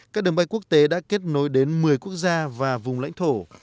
các đường bay quốc tế đã kết nối đến một mươi quốc gia và vùng lãnh thổ